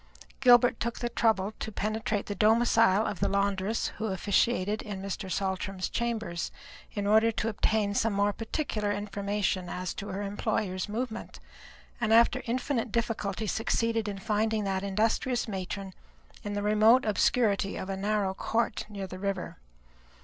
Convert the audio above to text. Gilbert took the trouble to penetrate the domicile of the laundress who officiated in Mr. Saltram's chambers, in order to obtain some more particular information as to her employer's movements, and after infinite difficulty succeeded in finding that industrious matron in the remote obscurity of a narrow court near the river.